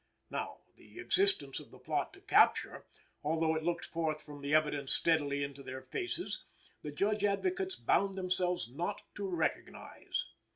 Now, the existence of the plot to capture, although it looked forth from the evidence steadily into their faces, the Judge Advocates bound themselves not to recognize.